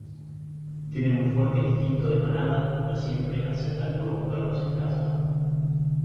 Tienen un fuerte instinto de manada y no siempre aceptan nuevos perros en casa.